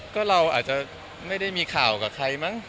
ก็เราอาจจะไม่ได้มีข่าวกับใครมั้ง